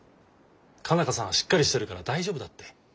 佳奈花さんはしっかりしてるから大丈夫だって。